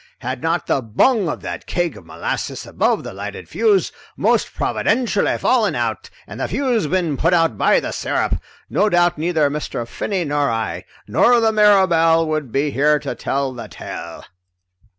Had not the bung of that keg of molasses above the lighted fuse most providentially fallen out and the fuse been put out by the sirup, no doubt neither Mr. Finney nor I nor the Mirabelle would be here to tell the tale."